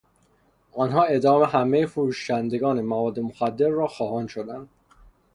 آنها اعدام همهی فروشندگان مواد مخدر را خواهان شدند.